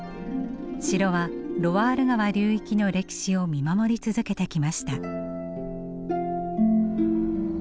城はロワール川流域の歴史を見守り続けてきました。